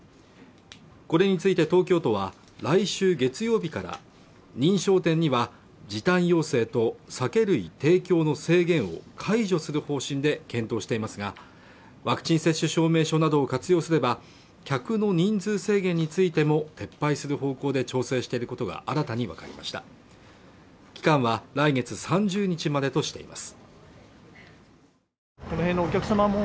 これについて東京都は来週月曜日から認証店には時短要請と酒類提供の制限を解除する方針で検討していますがワクチン接種証明書などを活用すれば客の人数制限についても撤廃する方向で調整していることが新たに分かりました期間は来月３０日までとしています